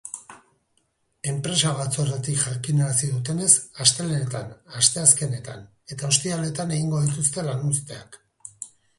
Enpresa batzordetik jakinarazi dutenez, astelehenetan, asteazkenetan eta ostiraletan egingo dituzte lanuzteak.